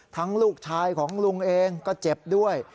ลูกชายของลุงเองก็เจ็บด้วย